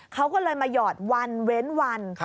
เขาก็เลยมาหยอดวันเว้นวัน